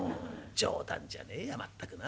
冗談じゃねえや全くな。